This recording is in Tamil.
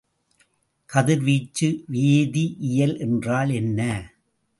கதிர்வீச்சு வேதிஇயல் என்றால் என்ன?